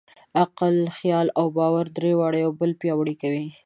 عقل، خیال او باور؛ درې واړه یو بل پیاوړي کوي.